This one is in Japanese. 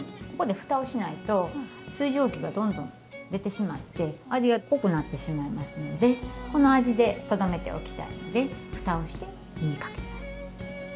ここでふたをしないと水蒸気がどんどん出てしまって味が濃くなってしまいますのでこの味でとどめておきたいのでふたをして火にかけます。